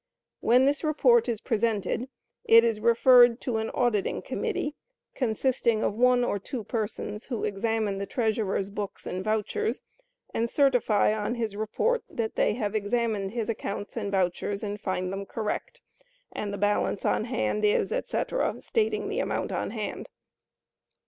When this report is presented it is referred to an "auditing committee," consisting of one or two persons, who examine the treasurer's books and vouchers, and certify on his report that they "have examined his accounts and vouchers and find them correct, and the balance on hand is," etc., stating the amount on hand.